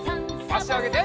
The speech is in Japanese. あしあげて。